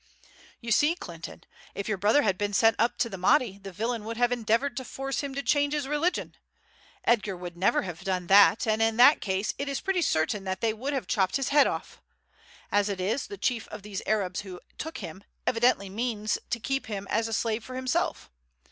"You see, Clinton, if your brother had been sent up to the Mahdi, the villain would have endeavoured to force him to change his religion. Edgar would never have done that, and in that case it is pretty certain that they would have chopped his head off. As it is, the chief of these Arabs who took him evidently means to keep him as a slave for himself.